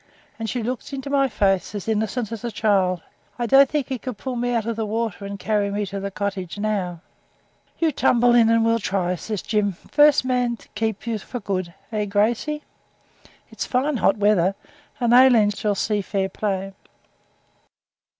and she looked into my face as innocent as a child. 'I don't think he could pull me out of the water and carry me up to the cottage now.' 'You tumble in and we'll try,' says Jim; 'first man to keep you for good eh, Gracey? It's fine hot weather, and Aileen shall see fair play.'